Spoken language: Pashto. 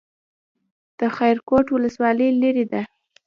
د خیرکوټ ولسوالۍ لیرې ده